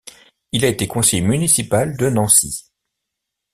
Il a été conseiller municipal de Nancy.